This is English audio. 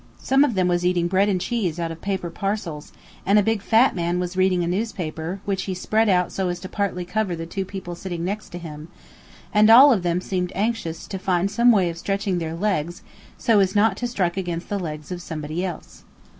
Some of them was eating bread and cheese out of paper parcels, and a big fat man was reading a newspaper, which he spread out so as to partly cover the two people sitting next to him, and all of them seemed anxious to find some way of stretching their legs so as not to strike against the legs of somebody else.